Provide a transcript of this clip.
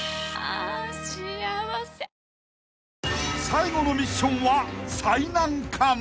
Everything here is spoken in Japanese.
［最後のミッションは最難関］